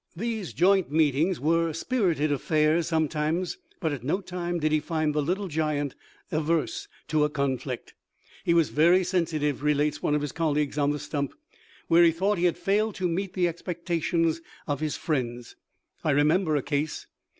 These joint meetings were spirited affairs sometimes ; but at no time did he find the Little Giant averse to a conflict. " He was very sensi tive," relates one of his colleagues on the stump, " where he thought he had failed to meet the expec tations of his friends. I remember. a case.